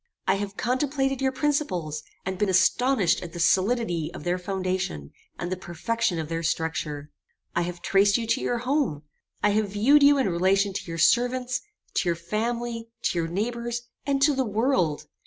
I have contemplated your principles, and been astonished at the solidity of their foundation, and the perfection of their structure. I have traced you to your home. I have viewed you in relation to your servants, to your family, to your neighbours, and to the world.